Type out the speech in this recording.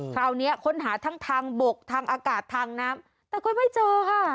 คราวนี้ค้นหาทั้งทางบกทางอากาศทางน้ำแต่ก็ไม่เจอค่ะ